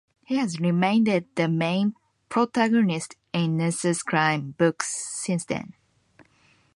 He has remained the main protagonist in Nesser's crime books since then.